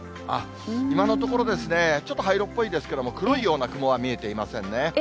今のところですね、ちょっと灰色っぽいですけれども、黒いような雲は見えていませんね。